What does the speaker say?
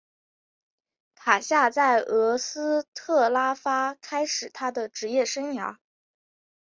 卡夏在俄斯特拉发开始他的职业生涯。